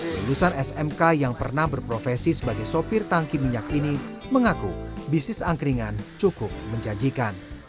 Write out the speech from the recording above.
lulusan smk yang pernah berprofesi sebagai sopir tangki minyak ini mengaku bisnis angkringan cukup menjanjikan